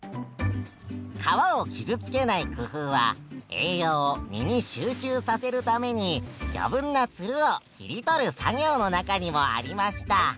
皮を傷つけない工夫は栄養を実に集中させるために余分なつるを切り取る作業の中にもありました。